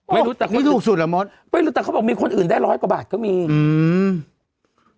ไม่รู้แต่เขาถูกสุดเหรอมดไม่รู้แต่เขาบอกมีคนอื่นได้ร้อยกว่าบาทก็มีอืม